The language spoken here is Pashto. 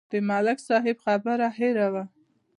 د ملک صاحب خبره هېره وه.